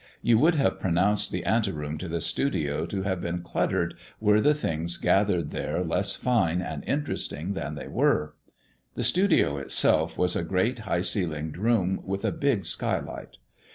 You would have pronounced the anteroom to the studio to have been cluttered were the things gathered there less fine and interesting than they were. The studio itself was a great, high ceilinged room with a big skylight.